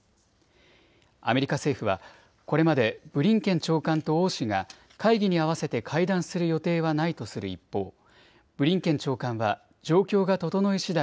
アメリカ政府はこれまでブリンケン長官と王氏が会議に合わせて会談する予定はないとする一方、ブリンケン長官は状況が整いしだい